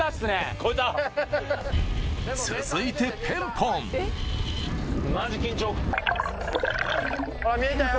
続いてペンポン・マジ緊張・・見えたよ